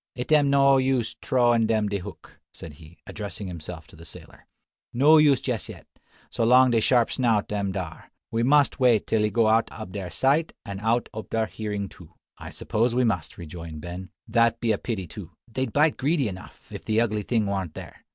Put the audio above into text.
"It am no use trowin' dem de hook," said he, addressing himself to the sailor, "no use jess yet, so long de sharp snout am dar. We mus' wait till he go out ob dar sight an out ob dar hearin too." "I suppose we must," rejoined Ben; "that be a pity too. They'd bite greedy enough, if the ugly thing warn't there.